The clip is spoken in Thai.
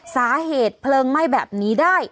สาเหตุเพลิงไหม้แบบนี้ได้